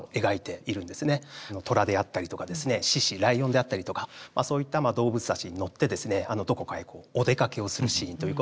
虎であったりとか獅子ライオンであったりとかそういった動物たちに乗ってどこかへお出かけをするシーンということで。